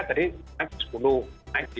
tadi naik sepuluh naik di dua puluh